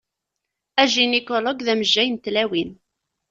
Ajinikulog d amejjay n tlawin.